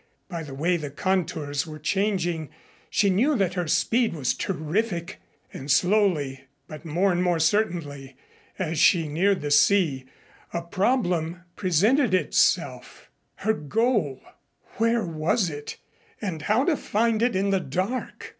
By the way the contours were changing she knew that her speed was terrific. And slowly but more and more certainly as she neared the sea, a problem presented itself her goal! Where was it, and how to find it in the dark?